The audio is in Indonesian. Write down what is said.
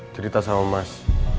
cerita sama mas